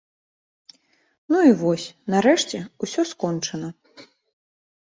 Ну і вось, нарэшце, усё скончана.